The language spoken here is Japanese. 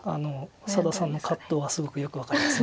佐田さんの葛藤はすごくよく分かります。